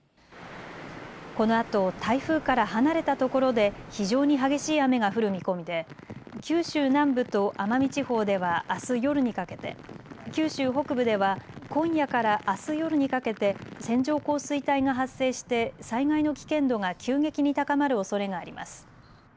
このあと台風から離れたところで非常に激しい雨が降る見込みで九州南部と奄美地方ではあす夜にかけて、九州北部では今夜からあす夜にかけて線状降水帯が発生して災害の危険度が急激に高まるおそれがあります。